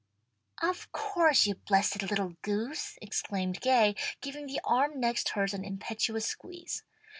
"Of course! you blessed little goose!" exclaimed Gay, giving the arm next hers an impetuous squeeze.